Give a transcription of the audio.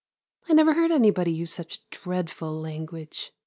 I never heard anybody use such dreadful language.